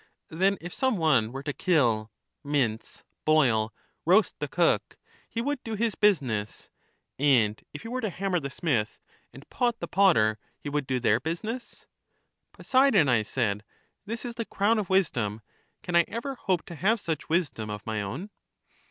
Then if some one were to kill, mince, boil, roast the cook, he would do his business, and if he were to ham mer the smith, and pot the potter, he would do their business. Poseidon, I said, this is the crown of wisdom; can I ever hope to have such wisdom of my own?